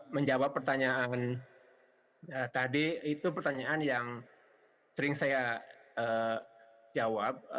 menjawab pertanyaan tadi itu pertanyaan yang sering saya jawab